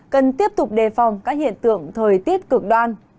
cần tiếp tục đề phòng các hiện tượng thời tiết cực đoan